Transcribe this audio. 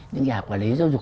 những nhà quản lý giáo dục